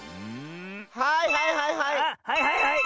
はいはいはいはい！